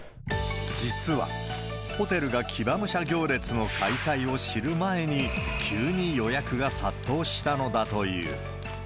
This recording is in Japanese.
実は、ホテルが騎馬武者行列の開催を知る前に、急に予約が殺到したのだという。